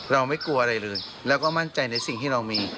เราไม่กลัวอะไรเลยแล้วก็มั่นใจในสิ่งที่เรามี